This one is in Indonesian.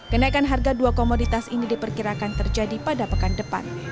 kenaikan harga dua komoditas ini diperkirakan terjadi pada pekan depan